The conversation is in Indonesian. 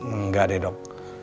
enggak deh dok